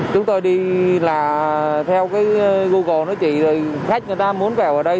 chúng tôi đi là theo cái google nó chỉ rồi khách người ta muốn vào ở đây